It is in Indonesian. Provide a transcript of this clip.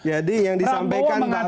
jadi yang disampaikan pak prabowo